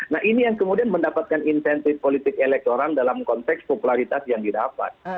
nah ini yang kemudian mendapatkan insentif politik elektoral dalam konteks popularitas yang didapat